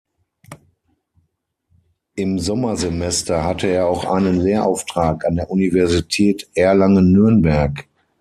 Im Sommersemester hatte er auch einen Lehrauftrag an der Universität Erlangen-Nürnberg.